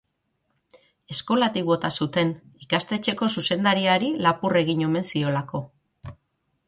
Eskolatik bota zuten, ikastetxeko zuzendariari lapur egin omen ziolako.